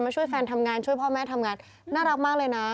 ช่วยแฟนทำงานช่วยพ่อแม่ทำงานน่ารักมากเลยนะ